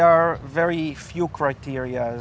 ada beberapa kriteria